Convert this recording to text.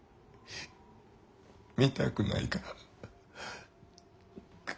見たくないか？